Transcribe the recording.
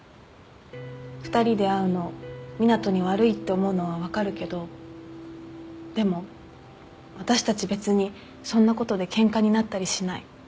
２人で会うの湊斗に悪いって思うのは分かるけどでも私たち別にそんなことでケンカになったりしない。